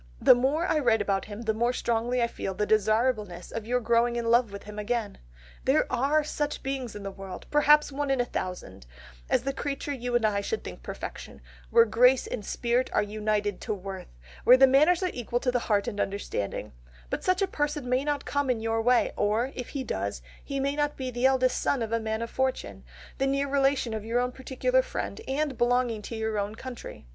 The more I write about him the more strongly I feel the desirableness of your growing in love with him again.... There are such beings in the world, perhaps one in a thousand, as the creature you and I should think perfection, where grace and spirit are united to worth, where the manners are equal to the heart and understanding, but such a person may not come in your way, or, if he does, he may not be the eldest son of a man of fortune, the near relation of your own particular friend and belonging to your own country....